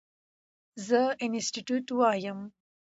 زه انسټيټيوټ وایم.